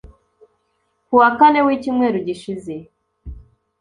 Ku wa Kane w’icyumweru gishize